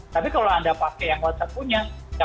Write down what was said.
tapi kalau anda pakai yang whatsapp punya